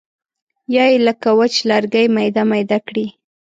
یا یې لکه وچ لرګی میده میده کړي.